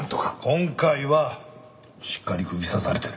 今回はしっかり釘刺されてる。